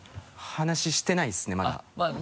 話してないですねまだ。